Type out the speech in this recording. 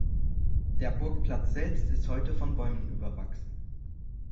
Der Burgplatz selbst ist heute von Bäumen überwachsen.